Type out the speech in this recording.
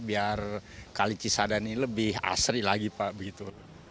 biar kali cisadane ini lebih asri lagi pak begitu